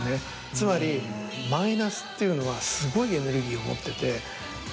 つまりマイナスっていうのはすごいエネルギーを持ってて。